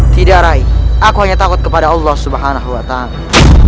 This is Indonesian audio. tidak raih aku hanya takut kepada allah subhanahu wa ta'ala